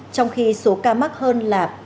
trong khi số ca mắc hơn là ba trăm linh